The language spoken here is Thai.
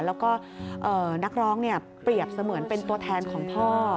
แล้วก็นักร้องเปรียบเสมือนเป็นตัวแทนของพ่อ